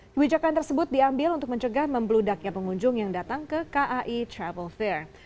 kebijakan tersebut diambil untuk mencegah membludaknya pengunjung yang datang ke kai travel fair